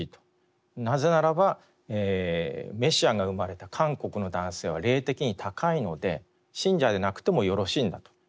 なぜならばメシアが生まれた韓国の男性は霊的に高いので信者でなくてもよろしいんだと。